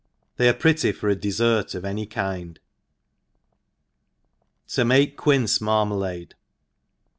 T They are pretty for a defert of any kiod« 7(7 w^7^^ Quince Marmalade.